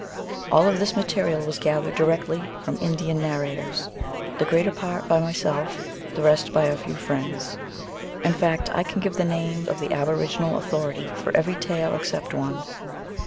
All of this mate rial was gathered directly from Indian narrators, the greater part by myself, the rest by a few friends ; in fact, I can give the name of the aboriginal authority for every tale except one.